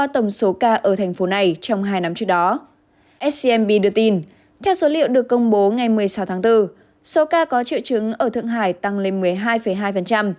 trong số liệu được công bố ngày một mươi sáu tháng bốn số ca có triệu chứng ở thượng hải tăng lên một mươi hai hai